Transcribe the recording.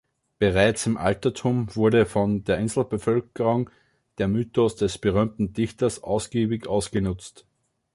Bereits im Altertum wurde von der Inselbevölkerung der Mythos des berühmten Dichters ausgiebig ausgenutzt.